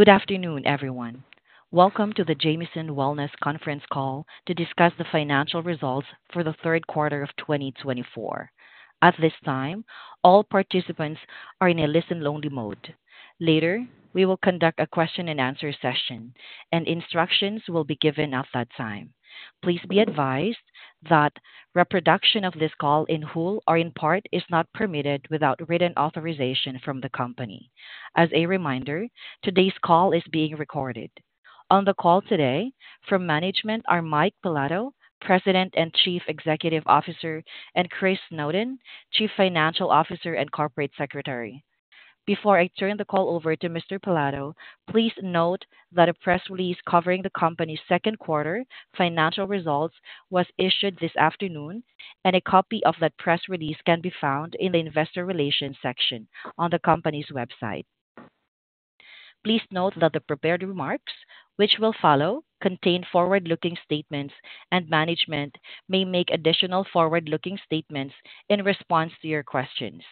Good afternoon, everyone. Welcome to the Jamieson Wellness Conference call to discuss the financial results for the third quarter of 2024. At this time, all participants are in a listen-only mode. Later, we will conduct a question-and-answer session, and instructions will be given at that time. Please be advised that reproduction of this call in whole or in part is not permitted without written authorization from the company. As a reminder, today's call is being recorded. On the call today, from management are Mike Pilato, President and Chief Executive Officer, and Chris Snowden, Chief Financial Officer and Corporate Secretary. Before I turn the call over to Mr. Pilato, please note that a press release covering the company's second quarter financial results was issued this afternoon, and a copy of that press release can be found in the Investor Relations section on the company's website. Please note that the prepared remarks, which will follow, contain forward-looking statements, and management may make additional forward-looking statements in response to your questions.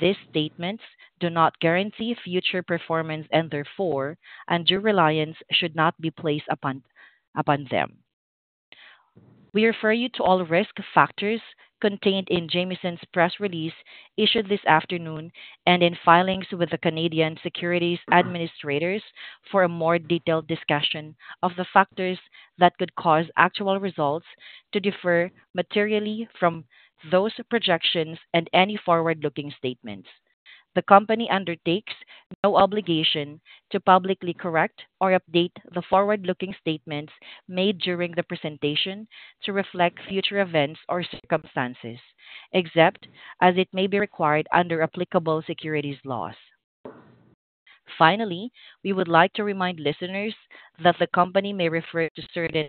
These statements do not guarantee future performance, and therefore, your reliance should not be placed upon them. We refer you to all risk factors contained in Jamieson's press release issued this afternoon and in filings with the Canadian Securities Administrators for a more detailed discussion of the factors that could cause actual results to differ materially from those projections and any forward-looking statements. The company undertakes no obligation to publicly correct or update the forward-looking statements made during the presentation to reflect future events or circumstances, except as it may be required under applicable securities laws. Finally, we would like to remind listeners that the company may refer to certain.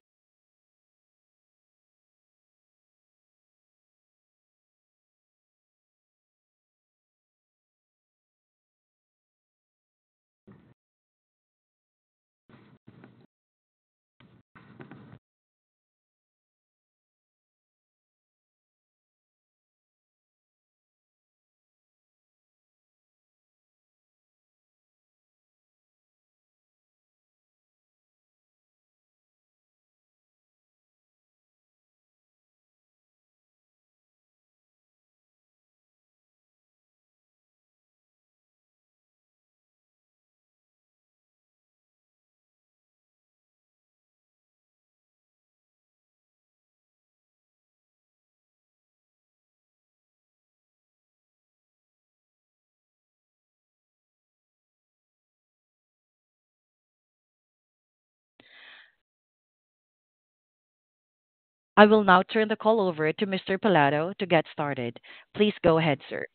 I will now turn the call over to Mr. Pilato to get started. Please go ahead, sir.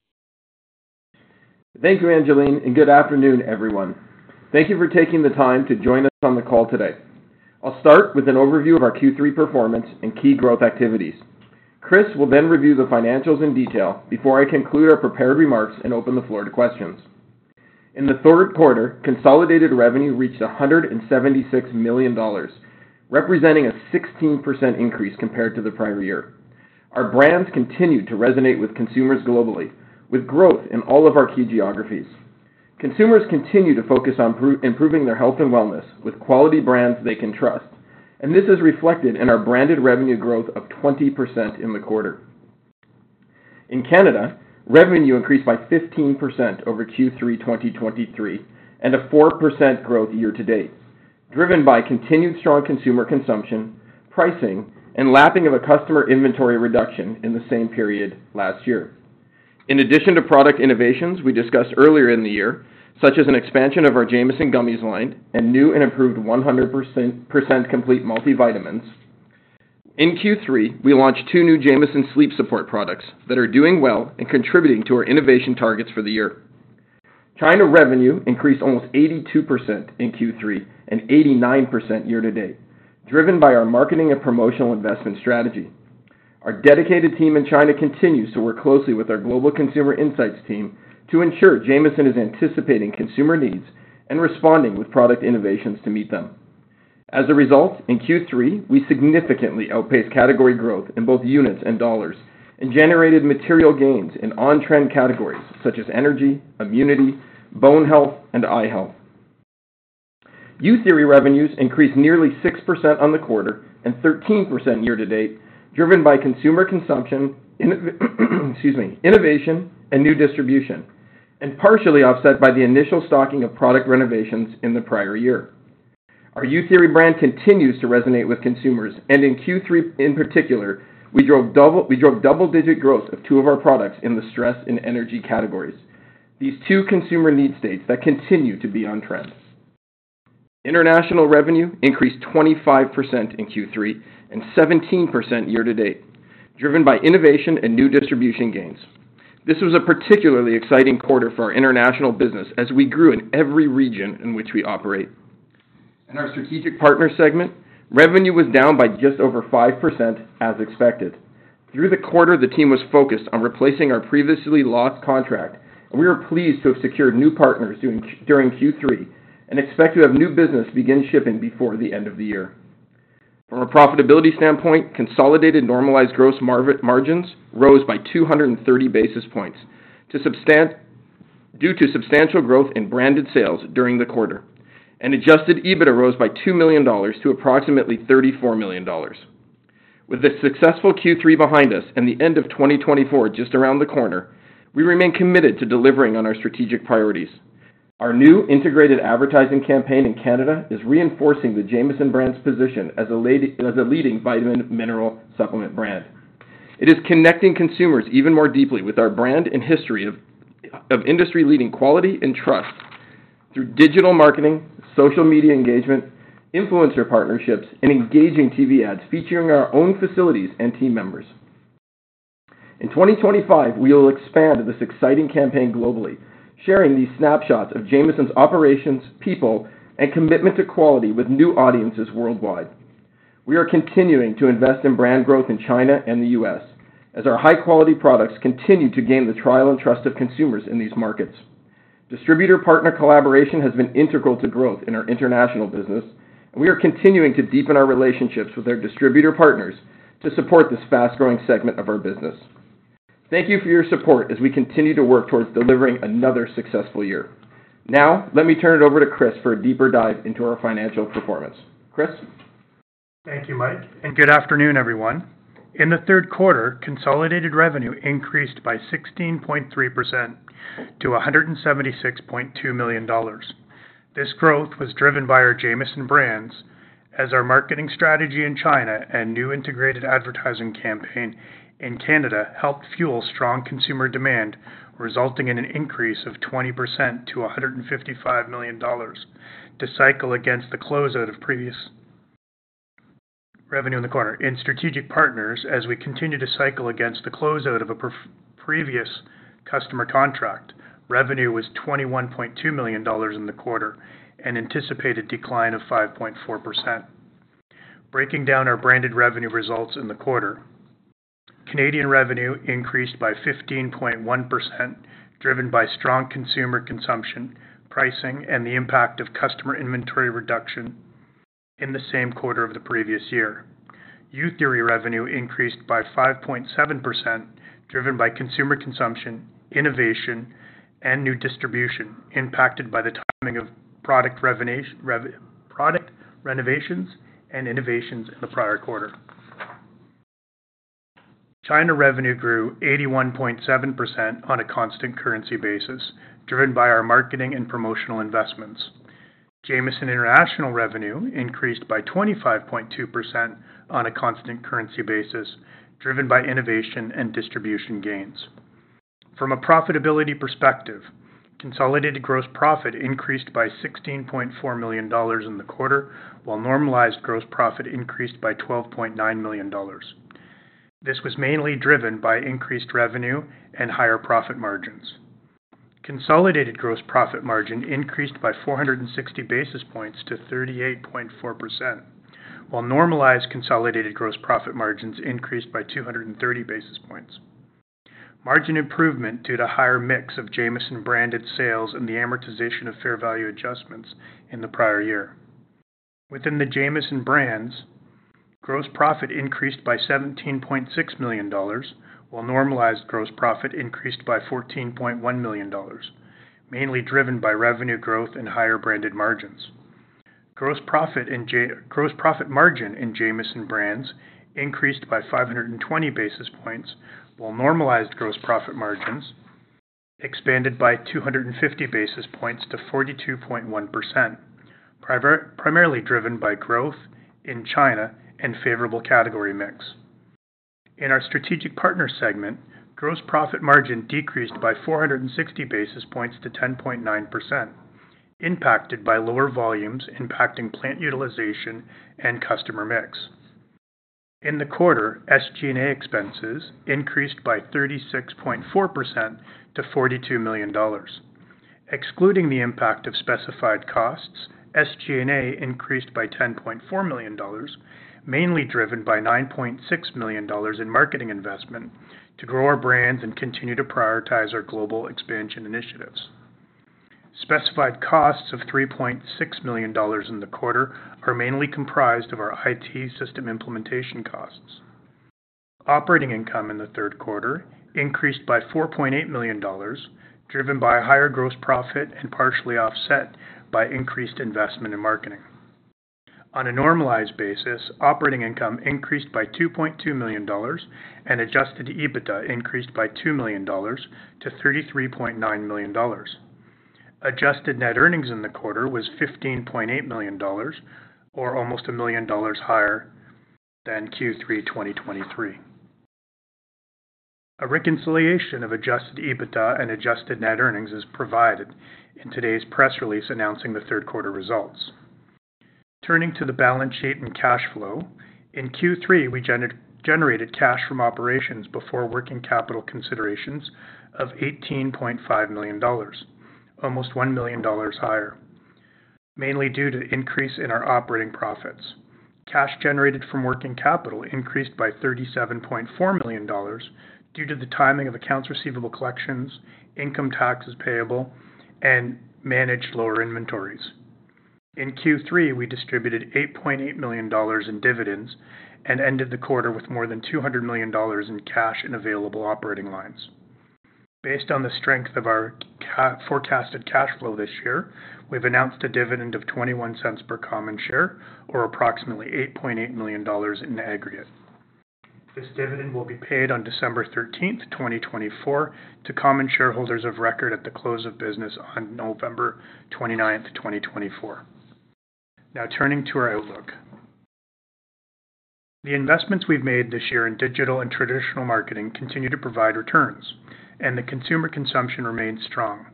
Thank you, Angeline, and good afternoon, everyone. Thank you for taking the time to join us on the call today. I'll start with an overview of our Q3 performance and key growth activities. Chris will then review the financials in detail before I conclude our prepared remarks and open the floor to questions. In the third quarter, consolidated revenue reached 176 million dollars, representing a 16% increase compared to the prior year. Our brands continue to resonate with consumers globally, with growth in all of our key geographies. Consumers continue to focus on improving their health and wellness with quality brands they can trust, and this is reflected in our branded revenue growth of 20% in the quarter. In Canada, revenue increased by 15% over Q3 2023 and a 4% growth year to date, driven by continued strong consumer consumption, pricing, and lapping of a customer inventory reduction in the same period last year. In addition to product innovations we discussed earlier in the year, such as an expansion of our Jamieson gummies line and new and improved 100% Complete multivitamins, in Q3, we launched two new Jamieson sleep support products that are doing well and contributing to our innovation targets for the year. China revenue increased almost 82% in Q3 and 89% year to date, driven by our marketing and promotional investment strategy. Our dedicated team in China continues to work closely with our global consumer insights team to ensure Jamieson is anticipating consumer needs and responding with product innovations to meet them. As a result, in Q3, we significantly outpaced category growth in both units and dollars and generated material gains in on-trend categories such as energy, immunity, bone health, and eye health. Youtheory revenues increased nearly 6% on the quarter and 13% year to date, driven by consumer consumption, innovation, and new distribution, and partially offset by the initial stocking of product renovations in the prior year. Our Youtheory brand continues to resonate with consumers, and in Q3 in particular, we drove double-digit growth of two of our products in the stress and energy categories, these two consumer need states that continue to be on trend. International revenue increased 25% in Q3 and 17% year to date, driven by innovation and new distribution gains. This was a particularly exciting quarter for our international business as we grew in every region in which we operate. In our strategic partner segment, revenue was down by just over 5% as expected. Through the quarter, the team was focused on replacing our previously lost contract, and we were pleased to have secured new partners during Q3 and expect to have new business begin shipping before the end of the year. From a profitability standpoint, consolidated normalized gross margins rose by 230 basis points due to substantial growth in branded sales during the quarter, and adjusted EBITDA rose by 2 million dollars to approximately 34 million dollars. With the successful Q3 behind us and the end of 2024 just around the corner, we remain committed to delivering on our strategic priorities. Our new integrated advertising campaign in Canada is reinforcing the Jamieson Brands position as a leading vitamin mineral supplement brand. It is connecting consumers even more deeply with our brand and history of industry-leading quality and trust through digital marketing, social media engagement, influencer partnerships, and engaging TV ads featuring our own facilities and team members. In 2025, we will expand this exciting campaign globally, sharing these snapshots of Jamieson's operations, people, and commitment to quality with new audiences worldwide. We are continuing to invest in brand growth in China and the U.S. as our high-quality products continue to gain the trial and trust of consumers in these markets. Distributor partner collaboration has been integral to growth in our international business, and we are continuing to deepen our relationships with our distributor partners to support this fast-growing segment of our business. Thank you for your support as we continue to work towards delivering another successful year. Now, let me turn it over to Chris for a deeper dive into our financial performance. Chris. Thank you, Mike, and good afternoon, everyone. In the third quarter, consolidated revenue increased by 16.3% to 176.2 million dollars. This growth was driven by our Jamieson Brands as our marketing strategy in China and new integrated advertising campaign in Canada helped fuel strong consumer demand, resulting in an increase of 20% to 155 million dollars to cycle against the closeout of previous revenue in the quarter. In Strategic Partners, as we continue to cycle against the closeout of a previous customer contract, revenue was 21.2 million dollars in the quarter and anticipated decline of 5.4%. Breaking down our branded revenue results in the quarter, Canadian revenue increased by 15.1%, driven by strong consumer consumption, pricing, and the impact of customer inventory reduction in the same quarter of the previous year. Youtheory revenue increased by 5.7%, driven by consumer consumption, innovation, and new distribution impacted by the timing of product renovations and innovations in the prior quarter. China revenue grew 81.7% on a constant currency basis, driven by our marketing and promotional investments. Jamieson International revenue increased by 25.2% on a constant currency basis, driven by innovation and distribution gains. From a profitability perspective, consolidated gross profit increased by 16.4 million dollars in the quarter, while normalized gross profit increased by 12.9 million dollars. This was mainly driven by increased revenue and higher profit margins. Consolidated gross profit margin increased by 460 basis points to 38.4%, while normalized consolidated gross profit margins increased by 230 basis points. Margin improvement due to higher mix of Jamieson branded sales and the amortization of fair value adjustments in the prior year. Within the Jamieson Brands, gross profit increased by 17.6 million dollars, while normalized gross profit increased by 14.1 million dollars, mainly driven by revenue growth and higher branded margins. Gross profit margin in Jamieson Brands increased by 520 basis points, while normalized gross profit margins expanded by 250 basis points to 42.1%, primarily driven by growth in China and favorable category mix. In our Strategic Partners segment, gross profit margin decreased by 460 basis points to 10.9%, impacted by lower volumes impacting plant utilization and customer mix. In the quarter, SG&A expenses increased by 36.4% to 42 million dollars. Excluding the impact of specified costs, SG&A increased by 10.4 million dollars, mainly driven by 9.6 million dollars in marketing investment to grow our brands and continue to prioritize our global expansion initiatives. Specified costs of 3.6 million dollars in the quarter are mainly comprised of our IT system implementation costs. Operating income in the third quarter increased by 4.8 million dollars, driven by higher gross profit and partially offset by increased investment in marketing. On a normalized basis, operating income increased by 2.2 million dollars and adjusted EBITDA increased by 2 million dollars to 33.9 million dollars. Adjusted net earnings in the quarter was 15.8 million dollars, or almost 1 million dollars higher than Q3 2023. A reconciliation of adjusted EBITDA and adjusted net earnings is provided in today's press release announcing the third quarter results. Turning to the balance sheet and cash flow, in Q3, we generated cash from operations before working capital considerations of 18.5 million dollars, almost 1 million dollars higher, mainly due to increase in our operating profits. Cash generated from working capital increased by 37.4 million dollars due to the timing of accounts receivable collections, income taxes payable, and managed lower inventories. In Q3, we distributed 8.8 million dollars in dividends and ended the quarter with more than 200 million dollars in cash and available operating lines. Based on the strength of our forecasted cash flow this year, we've announced a dividend of 0.21 per common share, or approximately 8.8 million dollars in aggregate. This dividend will be paid on December 13, 2024, to common shareholders of record at the close of business on November 29, 2024. Now, turning to our outlook, the investments we've made this year in digital and traditional marketing continue to provide returns, and the consumer consumption remains strong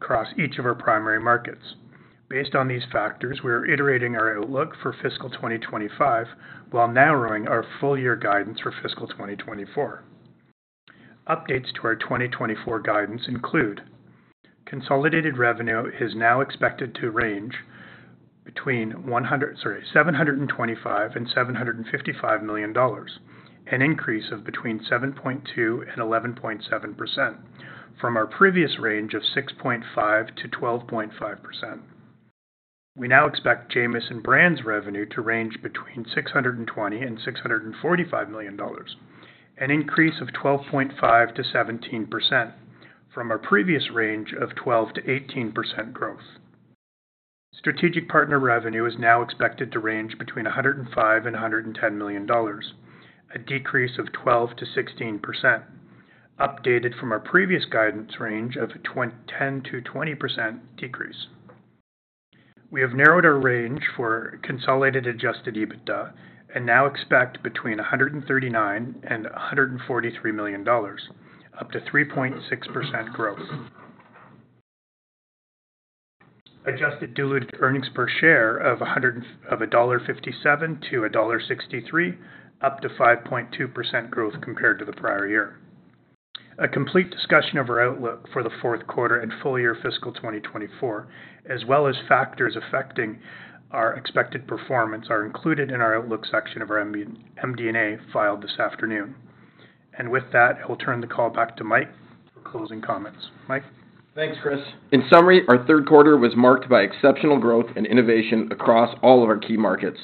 across each of our primary markets. Based on these factors, we are iterating our outlook for fiscal 2025 while narrowing our full-year guidance for fiscal 2024. Updates to our 2024 guidance include consolidated revenue is now expected to range between 725 million and 755 million dollars, an increase of between 7.2% and 11.7% from our previous range of 6.5% to 12.5%. We now expect Jamieson Brands revenue to range between 620 million and 645 million dollars, an increase of 12.5%-17% from our previous range of 12%-18% growth. Strategic Partners revenue is now expected to range between 105 million dollars and CAD 110 million, a decrease of 12%-16%, updated from our previous guidance range of 10%-20% decrease. We have narrowed our range for consolidated adjusted EBITDA and now expect between 139 million and 143 million dollars, up to 3.6% growth. Adjusted diluted earnings per share of 1.57-1.63 dollar, up to 5.2% growth compared to the prior year. A complete discussion of our outlook for the fourth quarter and full-year fiscal 2024, as well as factors affecting our expected performance, are included in our outlook section of our MD&A filed this afternoon. And with that, I will turn the call back to Mike for closing comments. Mike. Thanks, Chris. In summary, our third quarter was marked by exceptional growth and innovation across all of our key markets.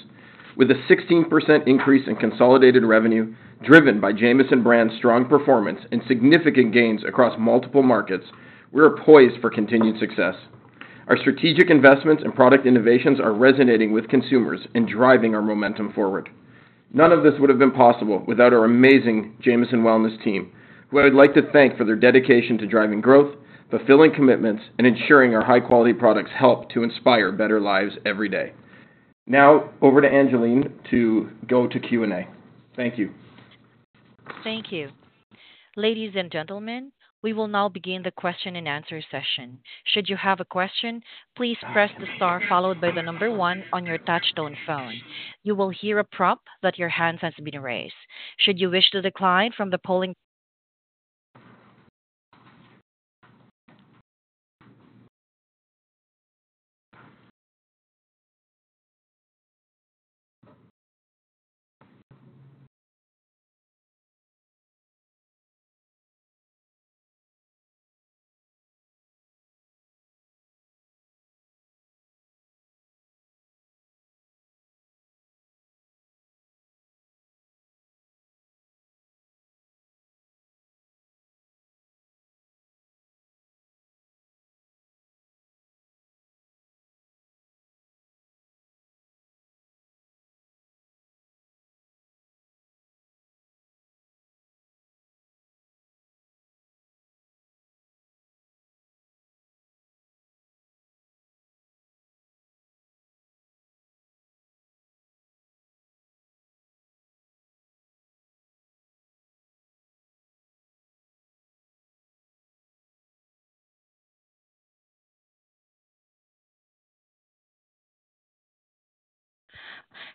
With a 16% increase in consolidated revenue driven by Jamieson Brands strong performance and significant gains across multiple markets, we are poised for continued success. Our strategic investments and product innovations are resonating with consumers and driving our momentum forward. None of this would have been possible without our amazing Jamieson Wellness team, who I would like to thank for their dedication to driving growth, fulfilling commitments, and ensuring our high-quality products help to inspire better lives every day. Now, over to Angeline to go to Q&A. Thank you. Thank you. Ladies and gentlemen, we will now begin the question-and-answer session. Should you have a question, please press the star followed by the number one on your touchtone phone. You will hear a prompt that your hand has been raised. Should you wish to decline from the polling.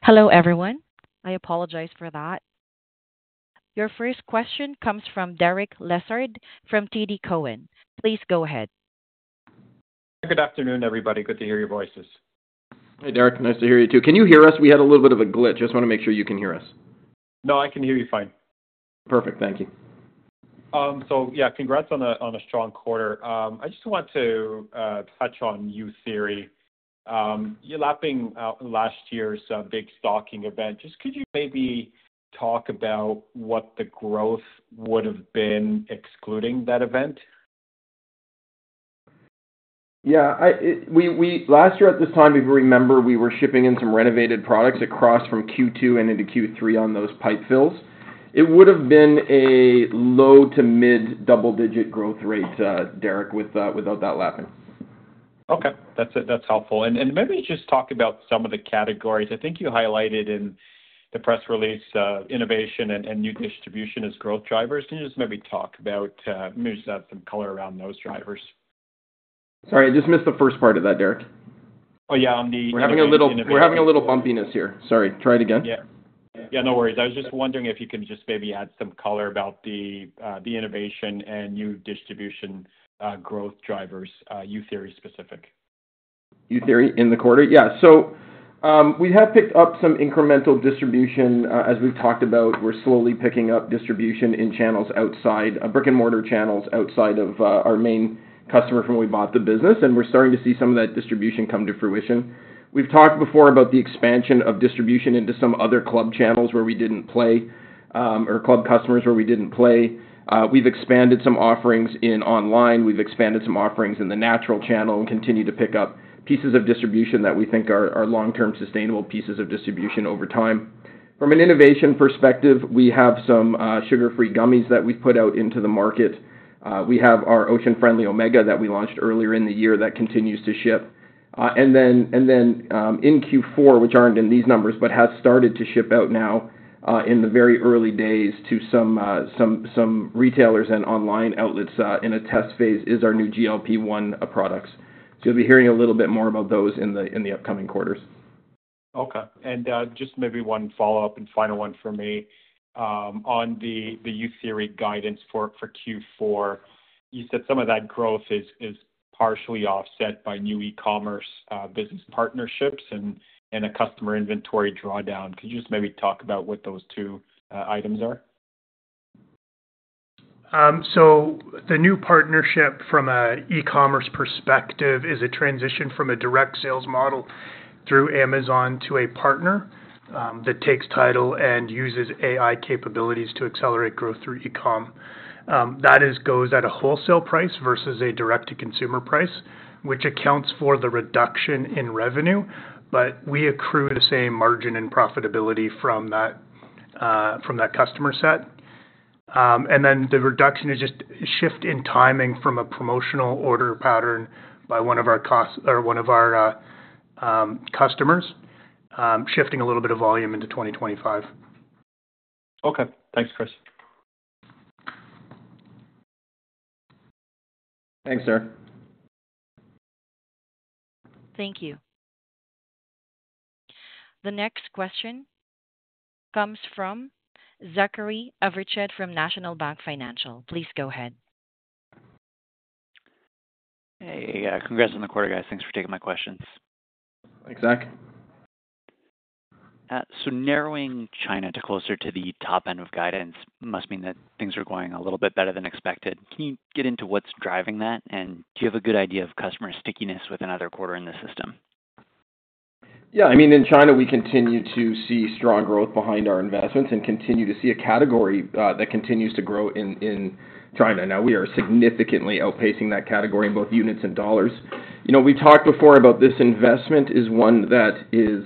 Hello, everyone. I apologize for that. Your first question comes from Derek Lessard from TD Cowen. Please go ahead. Good afternoon, everybody. Good to hear your voices. Hey, Derek. Nice to hear you, too. Can you hear us? We had a little bit of a glitch. I just want to make sure you can hear us. No, I can hear you fine. Perfect. Thank you. So, yeah, congrats on a strong quarter. I just want to touch on Youtheory. You're lapping last year's big stocking event. Just could you maybe talk about what the growth would have been excluding that event? Yeah. Last year, at this time, if you remember, we were shipping in some innovative products across from Q2 and into Q3 on those pipeline fills. It would have been a low to mid double-digit growth rate, Derek, without that lapping. Okay. That's helpful. And maybe just talk about some of the categories. I think you highlighted in the press release innovation and new distribution as growth drivers. Can you just maybe talk about maybe just add some color around those drivers? Sorry, I just missed the first part of that, Derek. Oh, yeah. We're having a little bumpiness here. Sorry. Try it again. Yeah. Yeah. No worries. I was just wondering if you can just maybe add some color about the innovation and new distribution growth drivers, Youtheory specific. Youtheory in the quarter? Yeah. So we have picked up some incremental distribution. As we've talked about, we're slowly picking up distribution in channels outside, brick-and-mortar channels outside of our main customer from where we bought the business. And we're starting to see some of that distribution come to fruition. We've talked before about the expansion of distribution into some other club channels where we didn't play or club customers where we didn't play. We've expanded some offerings in online. We've expanded some offerings in the natural channel and continue to pick up pieces of distribution that we think are long-term sustainable pieces of distribution over time. From an innovation perspective, we have some sugar-free gummies that we've put out into the market. We have our Ocean-Friendly Omega that we launched earlier in the year that continues to ship. And then in Q4, which aren't in these numbers, but has started to ship out now in the very early days to some retailers and online outlets in a test phase is our new GLP-1 products. So you'll be hearing a little bit more about those in the upcoming quarters. Okay. And just maybe one follow-up and final one for me. On the Youtheory guidance for Q4, you said some of that growth is partially offset by new e-commerce business partnerships and a customer inventory drawdown. Could you just maybe talk about what those two items are? The new partnership from an e-commerce perspective is a transition from a direct sales model through Amazon to a partner that takes title and uses AI capabilities to accelerate growth through e-com. That goes at a wholesale price versus a direct-to-consumer price, which accounts for the reduction in revenue, but we accrue the same margin and profitability from that customer set. The reduction is just a shift in timing from a promotional order pattern by one of our customers, shifting a little bit of volume into 2025. Okay. Thanks, Chris. Thanks, Derek. Thank you. The next question comes from Zachary Evershed from National Bank Financial. Please go ahead. Hey. Congrats on the quarter, guys. Thanks for taking my questions. Thanks, Zach. So narrowing China to closer to the top end of guidance must mean that things are going a little bit better than expected. Can you get into what's driving that, and do you have a good idea of customer stickiness with another quarter in the system? Yeah. I mean, in China, we continue to see strong growth behind our investments and continue to see a category that continues to grow in China. Now, we are significantly outpacing that category in both units and dollars. We've talked before about this investment is one that is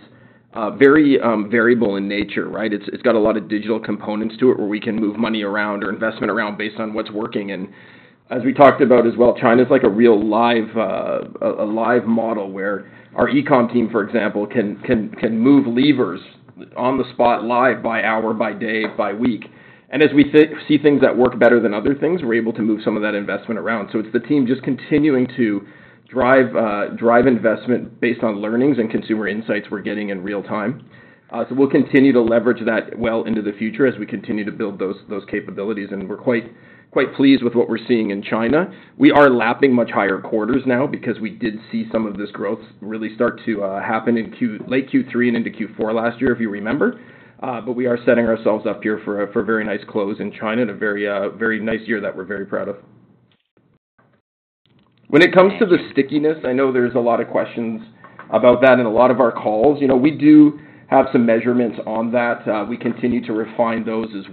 very variable in nature, right? It's got a lot of digital components to it where we can move money around or investment around based on what's working. And as we talked about as well, China is like a real live model where our e-com team, for example, can move levers on the spot live by hour, by day, by week. And as we see things that work better than other things, we're able to move some of that investment around. So it's the team just continuing to drive investment based on learnings and consumer insights we're getting in real time. So we'll continue to leverage that well into the future as we continue to build those capabilities. And we're quite pleased with what we're seeing in China. We are lapping much higher quarters now because we did see some of this growth really start to happen in late Q3 and into Q4 last year, if you remember. But we are setting ourselves up here for a very nice close in China and a very nice year that we're very proud of. When it comes to the stickiness, I know there's a lot of questions about that in a lot of our calls. We do have some measurements on that. We continue to refine those as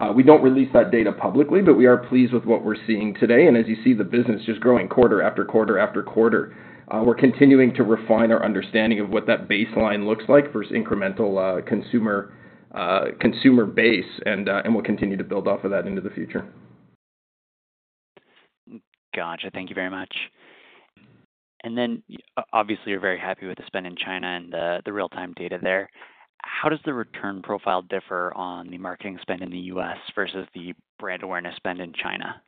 well. We don't release that data publicly, but we are pleased with what we're seeing today. As you see the business just growing quarter after quarter after quarter, we're continuing to refine our understanding of what that baseline looks like versus incremental consumer base. We'll continue to build off of that into the future. Gotcha. Thank you very much. And then, obviously, you're very happy with the spend in China and the real-time data there. How does the return profile differ on the marketing spend in the U.S. versus the brand awareness spend in China?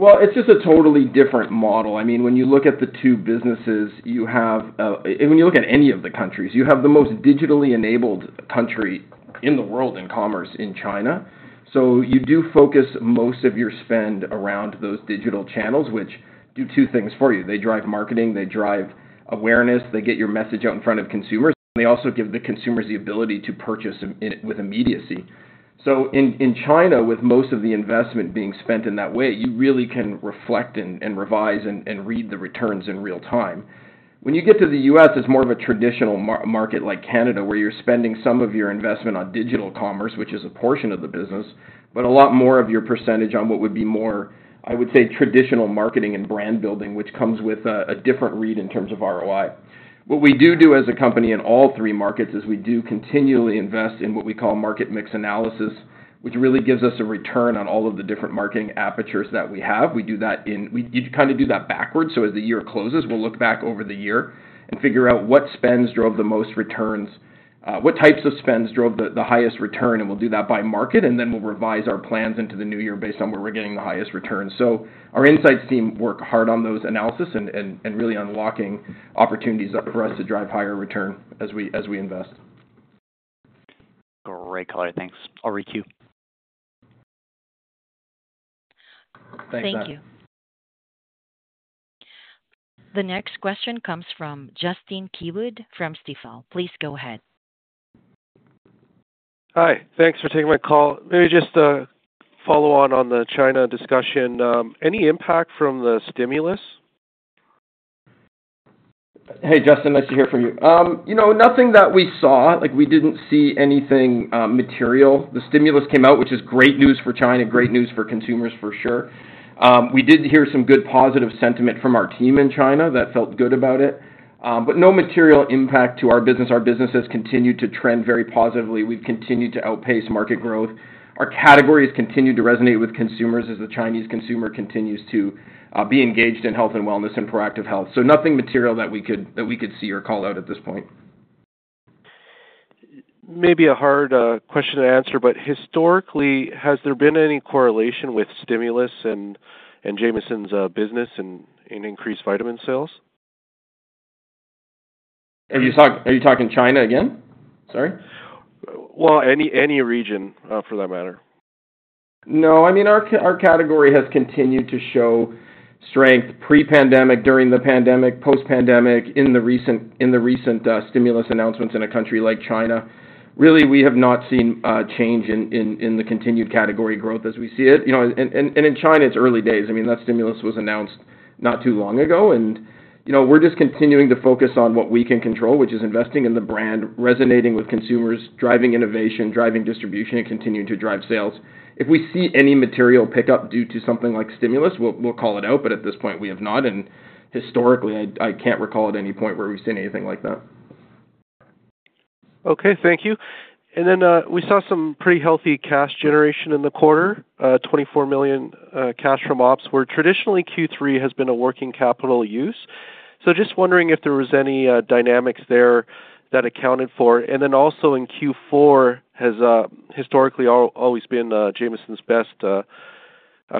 It's just a totally different model. I mean, when you look at the two businesses, when you look at any of the countries, you have the most digitally enabled country in the world in commerce in China. So you do focus most of your spend around those digital channels, which do two things for you. They drive marketing. They drive awareness. They get your message out in front of consumers. And they also give the consumers the ability to purchase with immediacy. So in China, with most of the investment being spent in that way, you really can reflect and revise and read the returns in real time. When you get to the U.S., it's more of a traditional market like Canada where you're spending some of your investment on digital commerce, which is a portion of the business. But a lot more of your percentage on what would be more, I would say, traditional marketing and brand building, which comes with a different read in terms of ROI. What we do do as a company in all three markets is we do continually invest in what we call market mix analysis, which really gives us a return on all of the different marketing apertures that we have. We do that. We kind of do that backwards. So as the year closes, we'll look back over the year and figure out what spends drove the most returns, what types of spends drove the highest return. And we'll do that by market. Then we'll revise our plans into the new year based on where we're getting the highest return. Our Insights team work hard on those analyses and really unlocking opportunities for us to drive higher return as we invest. Great color. Thanks. I'll re-queue. Thanks, guys. Thank you. The next question comes from Justin Keywood from Stifel. Please go ahead. Hi. Thanks for taking my call. Maybe just to follow on the China discussion. Any impact from the stimulus? Hey, Justin. Nice to hear from you. Nothing that we saw. We didn't see anything material. The stimulus came out, which is great news for China, great news for consumers, for sure. We did hear some good positive sentiment from our team in China that felt good about it, but no material impact to our business. Our business has continued to trend very positively. We've continued to outpace market growth. Our category has continued to resonate with consumers as the Chinese consumer continues to be engaged in health and wellness and proactive health. So nothing material that we could see or call out at this point. Maybe a hard question to answer, but historically, has there been any correlation with stimulus and Jamieson's business and increased vitamin sales? Are you talking China again? Sorry. Any region for that matter. No. I mean, our category has continued to show strength pre-pandemic, during the pandemic, post-pandemic, in the recent stimulus announcements in a country like China. Really, we have not seen a change in the continued category growth as we see it, and in China, it's early days. I mean, that stimulus was announced not too long ago, and we're just continuing to focus on what we can control, which is investing in the brand, resonating with consumers, driving innovation, driving distribution, and continuing to drive sales. If we see any material pickup due to something like stimulus, we'll call it out, but at this point, we have not, and historically, I can't recall at any point where we've seen anything like that. Okay. Thank you. And then we saw some pretty healthy cash generation in the quarter, 24 million cash from ops where traditionally Q3 has been a working capital use. So just wondering if there was any dynamics there that accounted for it. And then also in Q4 has historically always been Jamieson's best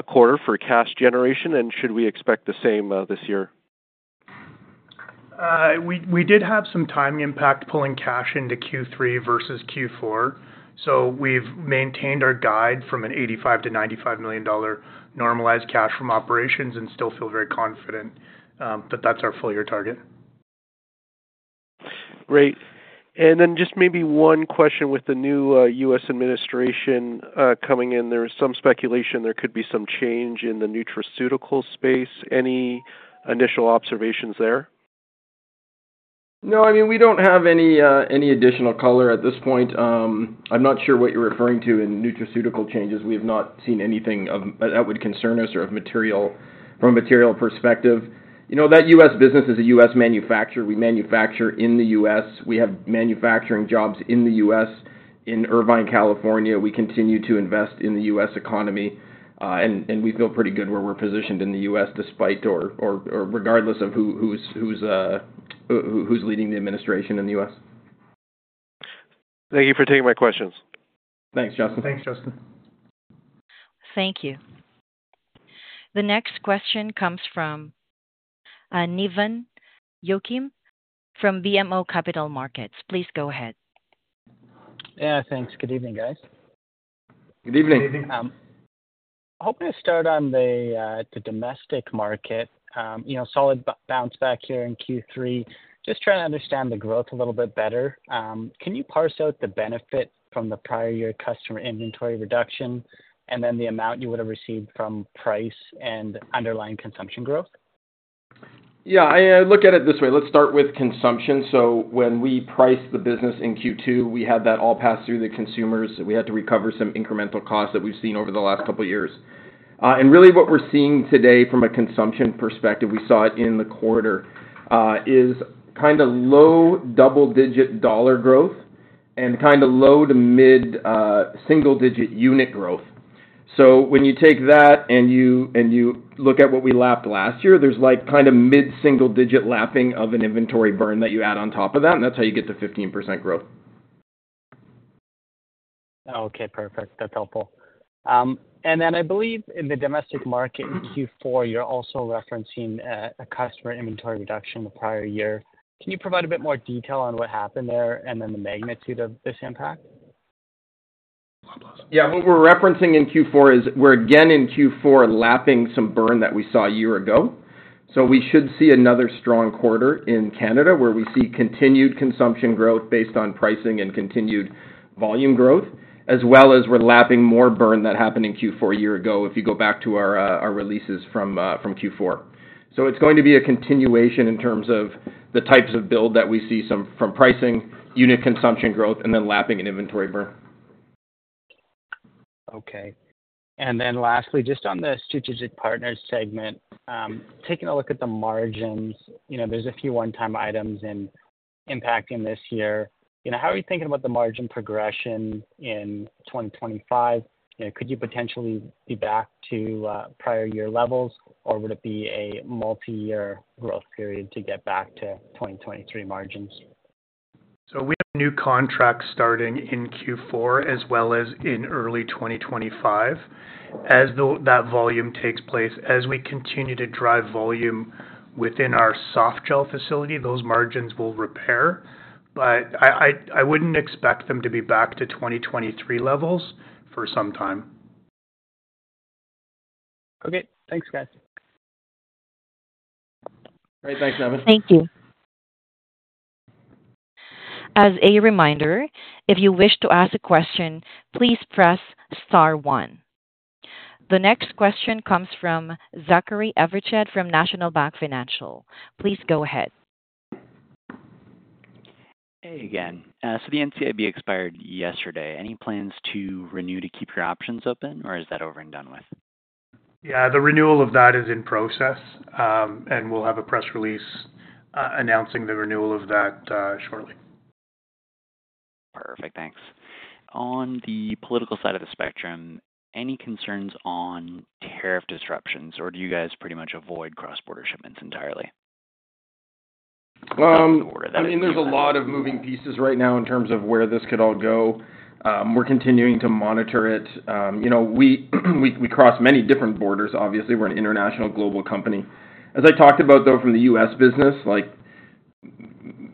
quarter for cash generation. And should we expect the same this year? We did have some timing impact pulling cash into Q3 versus Q4, so we've maintained our guide from 85 million-95 million dollar normalized cash from operations and still feel very confident that that's our full year target. Great, and then just maybe one question with the new U.S. administration coming in. There is some speculation there could be some change in the nutraceutical space. Any initial observations there? No. I mean, we don't have any additional color at this point. I'm not sure what you're referring to in nutraceutical changes. We have not seen anything that would concern us from a material perspective. That U.S. business is a U.S. manufacturer. We manufacture in the U.S. We have manufacturing jobs in the U.S. in Irvine, California. We continue to invest in the U.S. economy. And we feel pretty good where we're positioned in the U.S. despite or regardless of who's leading the administration in the U.S. Thank you for taking my questions. Thanks, Justin. Thanks, Justin. Thank you. The next question comes from Nevan Yochim from BMO Capital Markets. Please go ahead. Yeah. Thanks. Good evening, guys. Good evening. Good evening. Hoping to start on the domestic market, solid bounce back here in Q3, just trying to understand the growth a little bit better. Can you parse out the benefit from the prior year customer inventory reduction and then the amount you would have received from price and underlying consumption growth? Yeah. I look at it this way. Let's start with consumption. So when we priced the business in Q2, we had that all pass through the consumers. We had to recover some incremental costs that we've seen over the last couple of years. And really what we're seeing today from a consumption perspective, we saw it in the quarter, is kind of low double-digit dollar growth and kind of low to mid single-digit unit growth. So when you take that and you look at what we lapped last year, there's kind of mid single-digit lapping of an inventory burn that you add on top of that. And that's how you get to 15% growth. Okay. Perfect. That's helpful. And then I believe in the domestic market in Q4, you're also referencing a customer inventory reduction the prior year. Can you provide a bit more detail on what happened there and then the magnitude of this impact? Yeah. What we're referencing in Q4 is we're again in Q4 lapping some burn that we saw a year ago. So we should see another strong quarter in Canada where we see continued consumption growth based on pricing and continued volume growth, as well as we're lapping more burn that happened in Q4 a year ago if you go back to our releases from Q4. So it's going to be a continuation in terms of the types of build that we see from pricing, unit consumption growth, and then lapping an inventory burn. Okay. And then lastly, just on the Strategic Partners segment, taking a look at the margins, there's a few one-time items impacting this year. How are you thinking about the margin progression in 2025? Could you potentially be back to prior year levels, or would it be a multi-year growth period to get back to 2023 margins? So we have new contracts starting in Q4 as well as in early 2025. As that volume takes place, as we continue to drive volume within our soft gel facility, those margins will repair. But I wouldn't expect them to be back to 2023 levels for some time. Okay. Thanks, guys. All right. Thanks, Nevan. Thank you. As a reminder, if you wish to ask a question, please press star one. The next question comes from Zachary Evershed from National Bank Financial. Please go ahead. Hey, again. So the NCIB expired yesterday. Any plans to renew to keep your options open, or is that over and done with? Yeah. The renewal of that is in process. And we'll have a press release announcing the renewal of that shortly. Perfect. Thanks. On the political side of the spectrum, any concerns on tariff disruptions, or do you guys pretty much avoid cross-border shipments entirely? I mean, there's a lot of moving pieces right now in terms of where this could all go. We're continuing to monitor it. We cross many different borders, obviously. We're an international global company. As I talked about, though, from the U.S. business,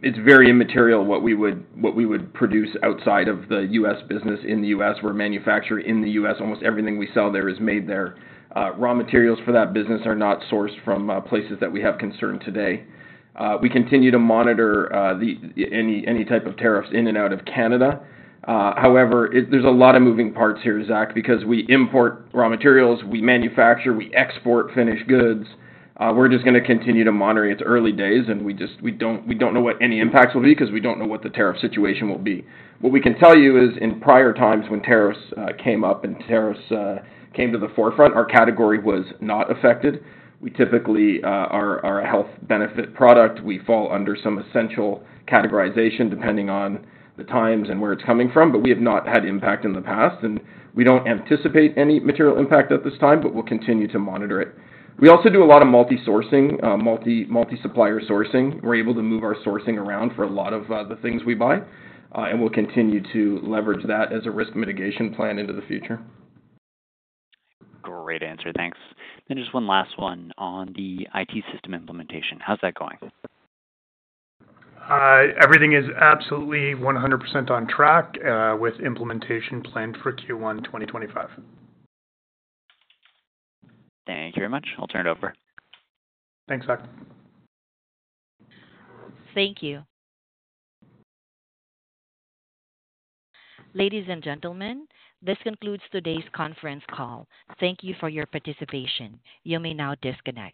it's very immaterial what we would produce outside of the U.S. business in the U.S. We're a manufacturer in the U.S. Almost everything we sell there is made there. Raw materials for that business are not sourced from places that we have concern today. We continue to monitor any type of tariffs in and out of Canada. However, there's a lot of moving parts here, Zach, because we import raw materials. We manufacture. We export finished goods. We're just going to continue to monitor. It's early days, and we don't know what any impacts will be because we don't know what the tariff situation will be. What we can tell you is in prior times when tariffs came up and tariffs came to the forefront, our category was not affected. We typically, our health benefit product, we fall under some essential categorization depending on the times and where it's coming from. But we have not had impact in the past. And we don't anticipate any material impact at this time, but we'll continue to monitor it. We also do a lot of multi-sourcing, multi-supplier sourcing. We're able to move our sourcing around for a lot of the things we buy. And we'll continue to leverage that as a risk mitigation plan into the future. Great answer. Thanks. Then just one last one on the IT system implementation. How's that going? Everything is absolutely 100% on track with implementation planned for Q1 2025. Thank you very much. I'll turn it over. Thanks, Zach. Thank you. Ladies and gentlemen, this concludes today's conference call. Thank you for your participation. You may now disconnect.